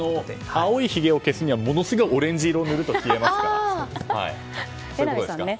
青いひげを消すにはものすごいオレンジ色を塗るとね。